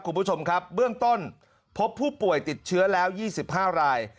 คุณผู้ชมครับเบื้องต้นพบผู้ป่วยติดเชื้อแล้ว๒๕ราย